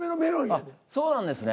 あっそうなんですね。